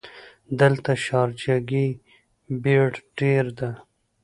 دلته شارجه ګې بیړ ډېر ده.